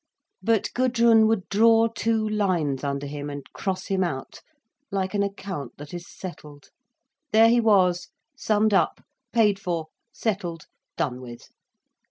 But Gudrun would draw two lines under him and cross him out like an account that is settled. There he was, summed up, paid for, settled, done with.